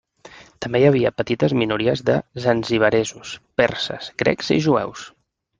També hi havia petites minories de zanzibaresos, perses, grecs i jueus.